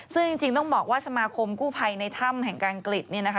ซึ่งจริงต้องบอกว่าสมาคมกู้ภัยในถ้ำแห่งการอังกฤษเนี่ยนะคะ